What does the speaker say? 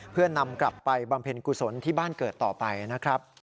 เพื่อนำกลับไปบำเพ็ญกุศลที่บ้านเกิดต่อไปนะครับ